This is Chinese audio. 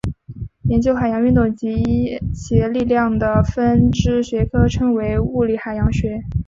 研究海洋运动以及其力量的分支学科称为物理海洋学。